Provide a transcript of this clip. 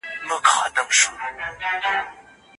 که تمرکز موجود وي نو تېروتنه نه ډېره کېږي.